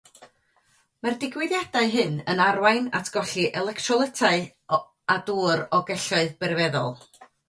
Mae'r digwyddiadau hyn yn arwain at golli electrolytau a dŵr o gelloedd berfeddol.